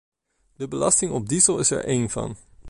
De belasting op diesel is er één van.